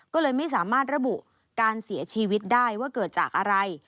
ก็เลยไม่สามารถระบุการเสียชีวิตได้ว่าเกิดจากอะไร